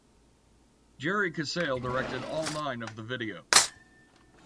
Jerry Casale directed all nine of the videos.